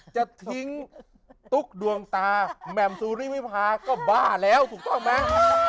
จะทิ้งตุ๊กดวงตาแหม่มสุริวิพาก็บ้าแล้วถูกต้องไหม